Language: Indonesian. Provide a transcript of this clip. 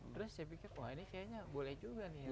terus saya pikir wah ini kayaknya boleh juga nih